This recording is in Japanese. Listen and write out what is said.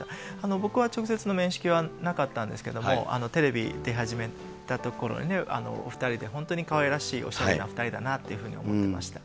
僕は直接の面識はなかったんですけれども、テレビ出始めたころね、お２人で本当にかわいらしいおしゃれな２人だなというふうに思っていました。